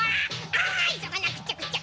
あいそがなくちゃくちゃ！